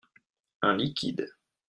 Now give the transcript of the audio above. Un liquide.